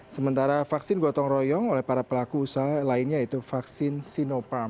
sementara vaksin gotong royong oleh para pelaku usaha lainnya yaitu vaksin sinoparm